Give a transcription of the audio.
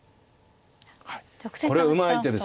これうまい手ですね。